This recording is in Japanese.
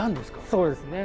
そうですね。